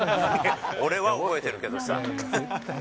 俺は覚えてるけどさ。